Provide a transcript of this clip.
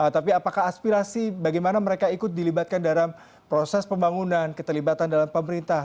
tapi apakah aspirasi bagaimana mereka ikut dilibatkan dalam proses pembangunan keterlibatan dalam pemerintah